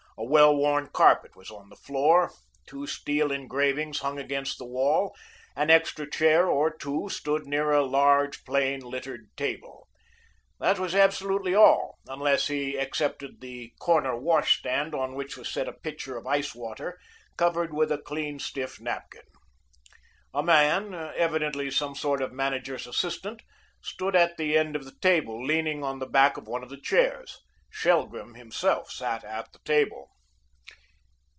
A well worn carpet was on the floor, two steel engravings hung against the wall, an extra chair or two stood near a large, plain, littered table. That was absolutely all, unless he excepted the corner wash stand, on which was set a pitcher of ice water, covered with a clean, stiff napkin. A man, evidently some sort of manager's assistant, stood at the end of the table, leaning on the back of one of the chairs. Shelgrim himself sat at the table.